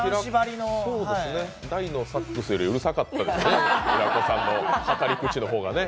大のサックスよりもうるかったですね、平子さんの語り口の方がね。